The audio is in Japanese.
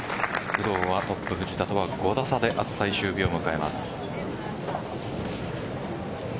工藤はトップ・藤田とは５打差で明日、最終日を迎えます。